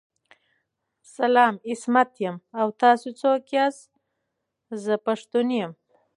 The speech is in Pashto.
سلام عصمت یم او تاسو څوک ياست ذه پښتون یم